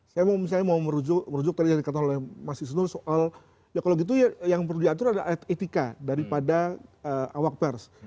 saya mau misalnya mau merujuk tadi yang dikatakan oleh mas isnur soal ya kalau gitu ya yang perlu diatur adalah etika daripada awak pers